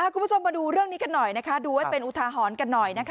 คุณผู้ชมมาดูเรื่องนี้กันหน่อยนะคะดูไว้เป็นอุทาหรณ์กันหน่อยนะคะ